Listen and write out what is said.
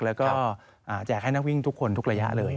ถูกให้ให้นักวิ่งทุกคนทุกระยะเลย